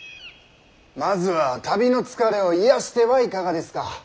まずは旅の疲れを癒やしてはいかがですか。